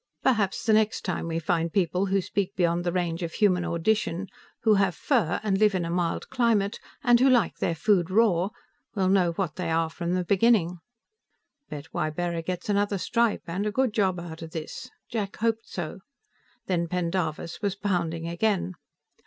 Perhaps the next time we find people who speak beyond the range of human audition, who have fur and live in a mild climate, and who like their food raw, we'll know what they are from the beginning." Bet Ybarra gets another stripe, and a good job out of this. Jack hoped so. Then Pendarvis was pounding again.